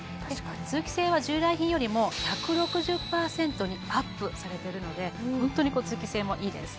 通気性は従来品よりも１６０％にアップされてるので本当に通気性もいいです